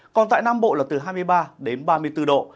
còn tại nam bộ là từ hai mươi ba đến ba mươi bốn độ